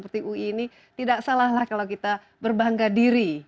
di ui ini tidak salah kalau kita berbangga diri